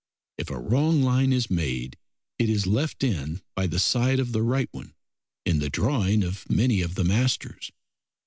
If a wrong line is made, it is left in by the side of the right one in the drawing of many of the masters.